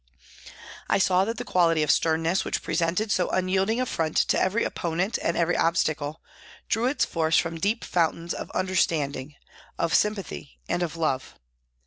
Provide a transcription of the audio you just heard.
I saw that the quality of sternness, which presented so unyielding a front to every opponent and every obstacle, drew its force from deep fountains of under standing, of sympathy and of love.